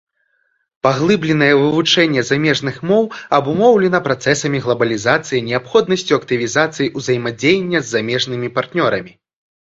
Паглыбленае вывучэнне замежных моў абумоўлена працэсамі глабалізацыі, неабходнасцю актывізацыі ўзаемадзеяння з замежнымі партнёрамі.